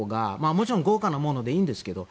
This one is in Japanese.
もちろん豪華なものでいいんですけど。